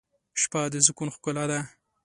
شپه د سکون ښکلا ده.